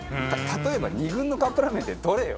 例えば２軍のカップラーメンってどれよ？